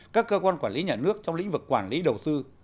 các cơ quan quản lý nhà nước trong lĩnh vực quản lý đầu tư